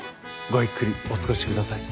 ごゆっくりお過ごしください。